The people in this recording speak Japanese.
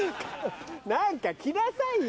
何か着なさいよ